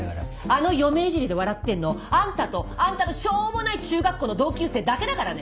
あの嫁いじりで笑ってんのあんたとあんたのしょうもない中学校の同級生だけだからね。